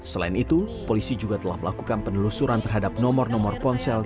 selain itu polisi juga telah melakukan penelusuran terhadap nomor nomor ponsel